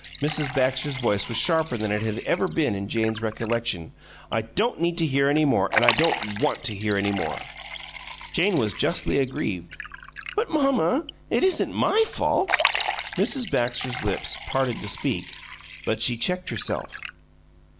Mrs. Baxter's voice was sharper than it had ever been in Jane's recollection. "I don't need to hear any more and I don't WANT to hear any more!" Jane was justly aggrieved. "But, mamma, it isn't MY fault!" Mrs. Baxter's lips parted to speak, but she checked herself.